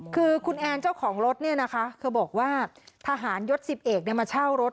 คือคุณแอนเจ้าของรถเนี่ยนะคะเธอบอกว่าทหารยศ๑๐เอกมาเช่ารถ